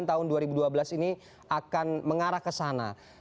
sembilan puluh sembilan tahun dua ribu dua belas ini akan mengarah kesana